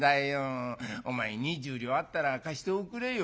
お前２０両あったら貸しておくれよ」。